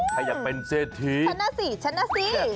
ทะนาทีทะนาที